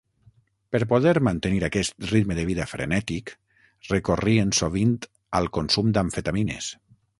Per poder mantenir aquest ritme de vida frenètic, recorrien sovint al consum d'amfetamines.